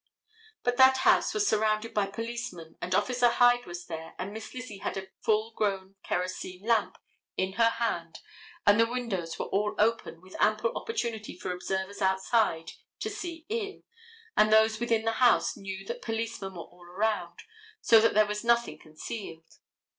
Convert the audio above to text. But that house was surrounded by policemen, and Officer Hyde was there, and Miss Lizzie had a full grown kerosene lamp in her hand and the windows were all open with ample opportunity for observers outside to see in and those within the house knew that policemen were all around so that there was nothing concealed.